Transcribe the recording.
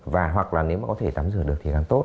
và hoặc là nếu mà có thể tắm rửa được thì làm tốt